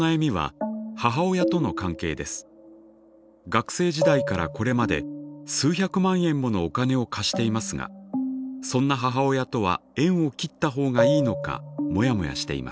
学生時代からこれまで数百万円ものお金を貸していますがそんな母親とは縁を切ったほうがいいのかモヤモヤしています。